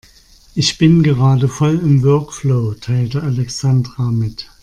Ich bin gerade voll im Workflow, teilte Alexandra mit.